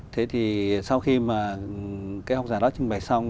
thế thì sau khi mà cái học giả đó trình bày xong